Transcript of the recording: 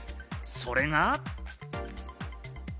それが。